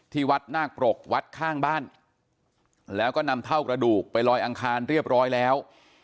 ที่วัดนาคปรกวัดข้างบ้านแล้วก็นำเท่ากระดูกไปลอยอังคารเรียบร้อยแล้ว